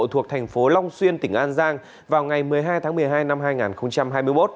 thuộc thành phố long xuyên tỉnh an giang vào ngày một mươi hai tháng một mươi hai năm hai nghìn hai mươi một